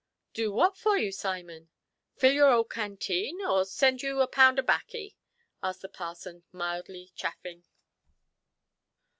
"Do what for you, Simon? Fill your old canteen, or send you a pound of baccy"? asked the parson, mildly chaffing.